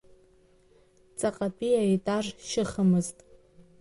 Ҵаҟатәи аетаж шьыхымызт…